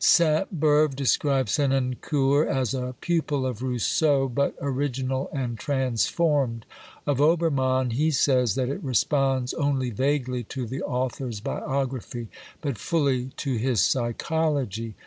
Sainte Beuve describes Senancour as a pupil of Rousseau, but original and transformed. Of Obermann he says that it responds only vaguely to the author's biography, but XX BIOGRAPHICAL AND fully to his psychology.